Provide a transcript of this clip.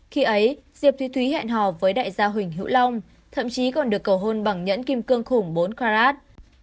khi ấy diệp thúy hẹn hò với đại gia huỳnh hữu long thậm chí còn được cầu hôn bằng nhẫn kim cương khủng bốn karat